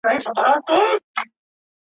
صلاح الدين سلجوقي